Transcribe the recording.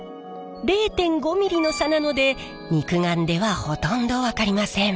０．５ミリの差なので肉眼ではほとんど分かりません。